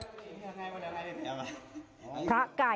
สุดท้ายหนังสุดท้าย